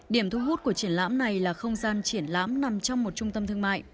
điểm thu hút của triển lãm này là không gian triển lãm nằm trong một trung tâm thương mại